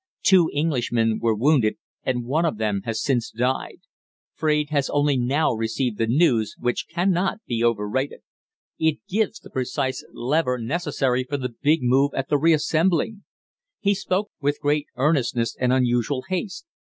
Two Englishmen were wounded and one of them has since died. Fraide has only now received the news which cannot be overrated. It gives the precise lever necessary for the big move at the reassembling." He spoke with great earnestness and unusual haste.